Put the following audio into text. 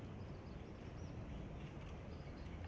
อันที่สุดท้ายก็คืออั